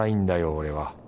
俺は